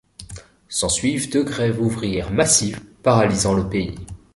S'ensuivent deux grèves ouvrières massives, paralysant le pays.